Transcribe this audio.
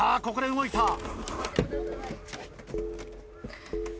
ここで動いた。